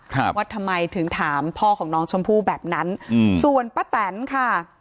ครับว่าทำไมถึงถามพ่อของน้องชมพู่แบบนั้นอืมส่วนป้าแตนค่ะ